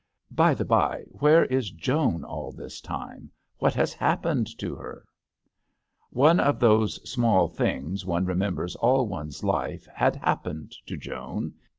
By the by where is Joan all this time ; what has happened to her ?" One of those small things, one remembers all one's life long had happened to Joan.